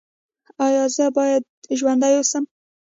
ایا زه باید ژوندی اوسم؟